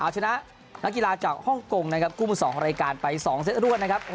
เอาชนะนักกีฬาจากฮ่องกงนะครับคู่มือ๒รายการไป๒เซตรวดนะครับ